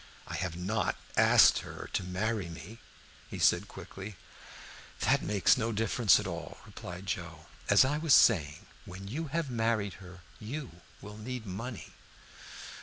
"I have not asked her to marry me," he said quickly. "That makes no difference at all," replied Joe. "As I was saying, when you have married her you will need money."